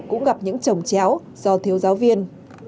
cũng gặp những trồng chéo do thiếu giáo viên